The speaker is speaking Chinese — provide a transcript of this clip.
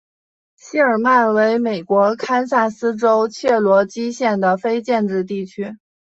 谢尔曼为美国堪萨斯州切罗基县的非建制地区。